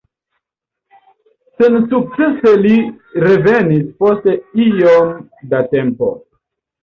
Sensukcese li revenis post iom da tempo.